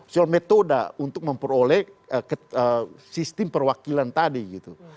soal metode untuk memperoleh sistem perwakilan tadi gitu